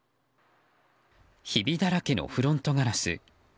ひびだらけのフロントガラス。